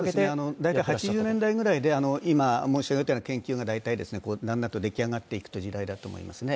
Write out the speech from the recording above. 大体８０年代ぐらいで今申し上げた研究がだんだんと出来上がっていく時代だと思いますね。